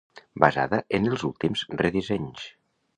Basada en els últims re dissenys.